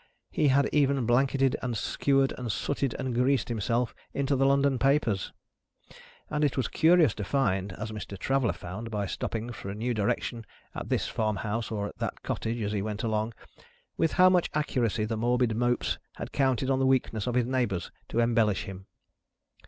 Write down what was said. He had even blanketed and skewered and sooted and greased himself, into the London papers. And it was curious to find, as Mr. Traveller found by stopping for a new direction at this farm house or at that cottage as he went along, with how much accuracy the morbid Mopes had counted on the weakness of his neighbours to embellish him.